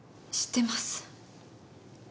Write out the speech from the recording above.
知ってます。